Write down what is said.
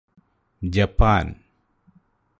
Japan